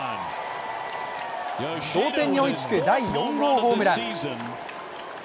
同点に追いつく第４号ホームラン。